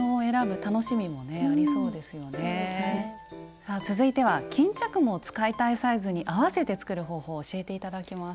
さあ続いては巾着も使いたいサイズに合わせて作る方法を教えて頂きます。